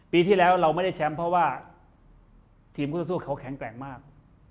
ปีที่แล้วเราไม่ได้แชมป์เพราะว่าทีมคู่สู้เขาแข็งแกร่งมาก